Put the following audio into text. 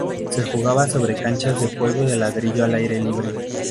Se jugaba sobre canchas de polvo de ladrillo al aire libre.